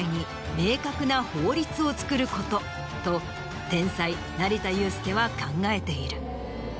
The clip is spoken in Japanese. ことと天才成田悠輔は考えている。